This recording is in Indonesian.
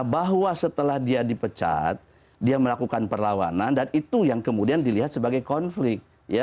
bahwa setelah dia dipecat dia melakukan perlawanan dan itu yang kemudian dilihat sebagai konflik